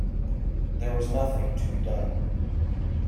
There was nothing to be done.